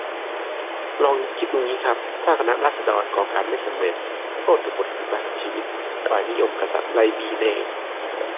ลองคิดดูงี้ครับ ถ้าคณะราษฎรก่อการไม่สำเร็จ โทษกบฎคือประหารชีวิต ถูกฝ่ายนิยมกษัตริย์ไล่บี้แน่